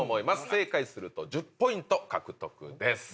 正解すると１０ポイント獲得です。